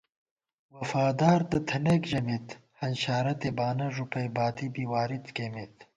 وفادار تہ تھنَئیک ژَمېت، ہنشارَتے بانہ ݫُپَئ باتی بی واری کېئیمېت